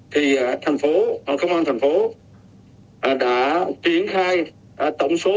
thì thành phố công an thành phố đã triển khai tổng số